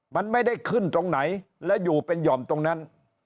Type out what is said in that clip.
มันไม่ได้ขึ้นตรงไหนและอยู่เป็นห่อมตรงนั้น